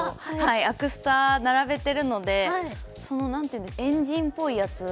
アクスタ並べてるので、猿人っぽいやつ？